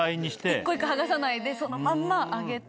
一個一個剥がさないでそのまんま揚げて。